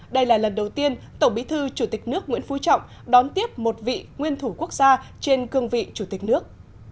đây là lần đầu tiên tổng bí thư chủ tịch nước nguyễn phú trọng đón tiếp một vị nguyên thủ quốc gia trên cương vị chủ tịch nước